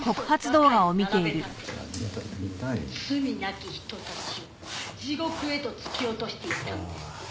なき人たちを地獄へと突き落としていったのです」